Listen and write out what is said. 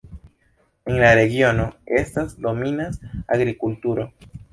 En la regiono estas dominas agrikulturo.